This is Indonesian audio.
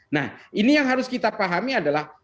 nah ini yang harus kita pahami adalah